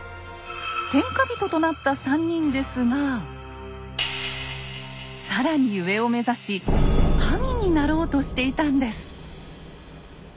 天下人となった３人ですが更に上を目指し「神」になろうとしていたんです。